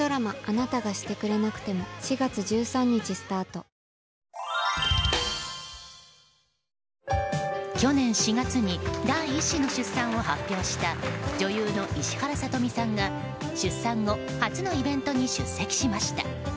颯颯アサヒの緑茶「颯」去年４月に第１子の出産を発表した女優の石原さとみさんが出産後初のイベントに出席しました。